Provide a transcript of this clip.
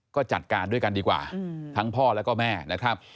ก็จัดการด้วยกันดีกว่าทั้งพ่อแล้วก็แม่นะครับ